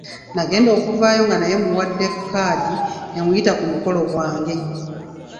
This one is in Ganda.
Nagenda okuvaayo nga naye mmuwadde 'kkaadi' emuyita ku mukolo gwange.